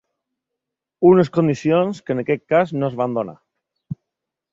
Unes condicions que en aquest cas no es van donar.